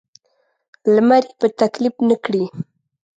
لمر یې په تکلیف نه کړي.